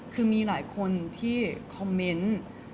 คือมีหลายคนที่คอมเมนต์